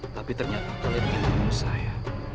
tapi ternyata kalian ingin menurut saya